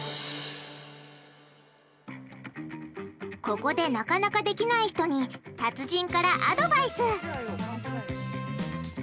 ここでなかなかできない人に達人からアドバイス！